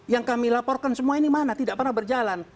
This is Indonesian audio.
yang kami laporkan semua ini mana tidak pernah berjalan